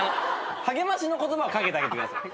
励ましの言葉をかけてあげてください。